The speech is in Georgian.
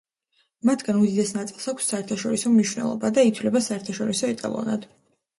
მათგან უდიდეს ნაწილს აქვს საერთაშორისო მნიშვნელობა და ითვლება საერთაშორისო ეტალონად.